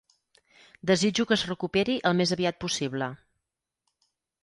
Desitjo que es recuperi el més aviat possible.